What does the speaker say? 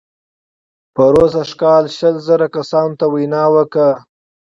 پروسږ کال شل زره کسانو ته وینا وکړه.